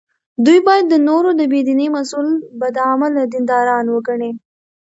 دوی باید د نورو د بې دینۍ مسوول بد عمله دینداران وګڼي.